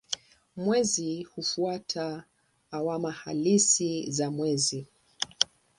Mwezi hufuata awamu halisi za mwezi.